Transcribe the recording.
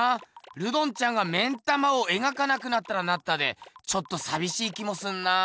ルドンちゃんが目ん玉を描かなくなったらなったでちょっとさびしい気もするなあ。